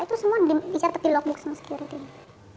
itu semua dicatat di lockbook sama security nya